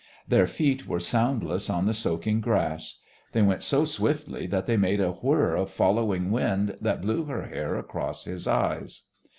Their feet were soundless on the soaking grass. They went so swiftly that they made a whir of following wind that blew her hair across his eyes.